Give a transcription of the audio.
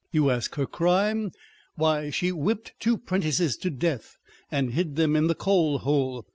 You ask her crime : she whipp'd two 'prentices to death, And hid them in the coal hole.